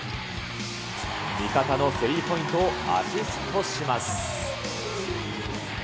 味方のスリーポイントをアシストします。